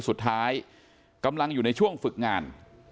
สุดท้ายกำลังอยู่ในช่วงฝึกงาน